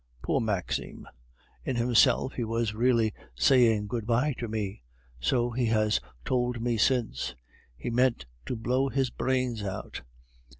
Poor Maxime! in himself he was really saying good bye to me, so he has told me since; he meant to blow his brains out!